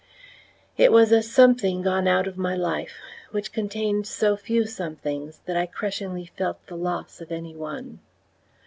It was a something gone out of my life, which contained so few somethings, that I crushingly felt the loss of any one.